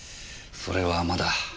それはまだ。